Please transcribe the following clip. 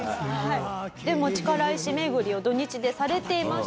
力石巡りを土日でされていました。